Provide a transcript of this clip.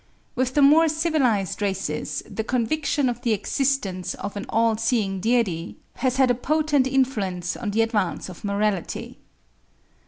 With the more civilised races, the conviction of the existence of an all seeing Deity has had a potent influence on the advance of morality.